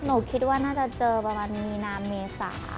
หนูคิดว่าน่าจะเจอประมาณมีนาเมษา